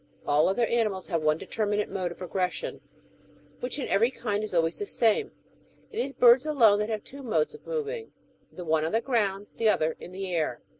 All other animals have one determinate mode of progression, which in every kind is always the same ; it is birds alone that have two modes of moving — the one on the ground, the other in the air.